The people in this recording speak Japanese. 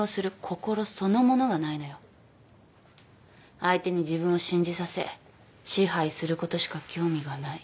相手に自分を信じさせ支配することしか興味がない。